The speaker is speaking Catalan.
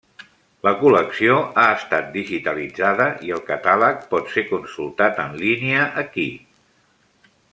La col·lecció ha estat digitalitzada i el catàleg pot ser consultat en línia aquí.